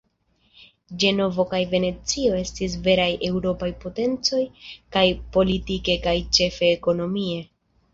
Ĝenovo kaj Venecio estis veraj eŭropaj potencoj kaj politike kaj ĉefe ekonomie.